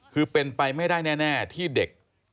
คือเป็นไปไม่ได้แน่ที่เด็ก